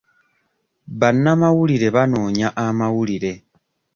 Bannamawulire banoonya amawulire.